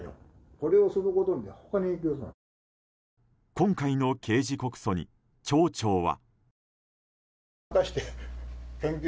今回の刑事告訴に町長は。